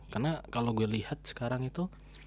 karena kalau gue lihat sekarang itu